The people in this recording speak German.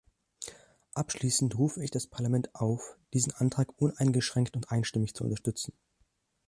Abschließend rufe ich das Parlament auf, diesen Antrag uneingeschränkt und einstimmig zu unterstützen.